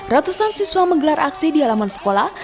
ratusan siswa menggelar aksi di alaman sekolah